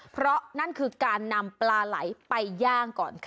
เพราะนั่นคือการนำปลาไหลไปย่างก่อนค่ะ